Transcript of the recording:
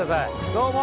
どうも！